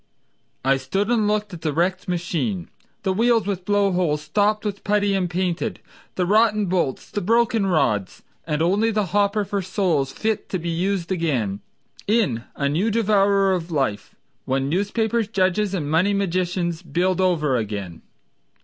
I stood and hooked at the wrecked machine— The wheels with blow holes stopped with putty and painted; The rotten bolts, the broken rods; And only the hopper for souls fit to be used again In a new devourer of life, When newspapers, judges and money magicians Build over again.